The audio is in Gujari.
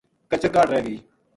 کچر کاہڈ رہ گئی